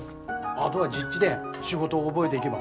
あどは実地で仕事を覚えでいげば。